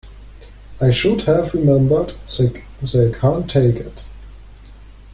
I should have remembered, they can't take it.